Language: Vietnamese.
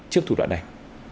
trước thủ đoạn này